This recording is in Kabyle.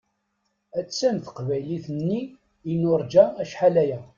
Attan teqbaylit-nni i nuṛǧa acḥal aya!